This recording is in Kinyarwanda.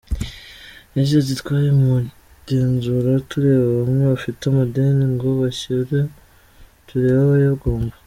Yagize ati “ Twari mu igenzura tureba bamwe bafite amadeni ngo bishyure, tureba abayagomba.